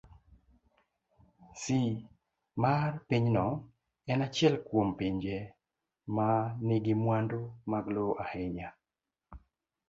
C. mar Pinyno en achiel kuom pinje ma nigi mwandu mag lowo ahinya.